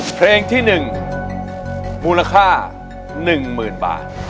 เพลงที่๑มูลค่า๑๐๐๐บาท